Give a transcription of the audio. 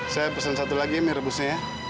saya pesan satu lagi mie rebusnya ya